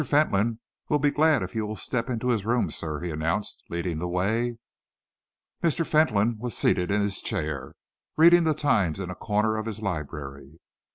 Fentolin will be glad if you will step into his room, sir," he announced, leading the way. Mr. Fentolin was seated in his chair, reading the Times in a corner of his library.